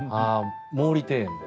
毛利庭園で。